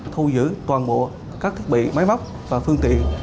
thu giữ toàn bộ các thiết bị máy móc và phương tiện